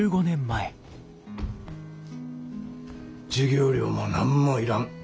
授業料も何も要らん。